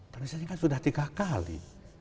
transit ini kan sudah tiga kali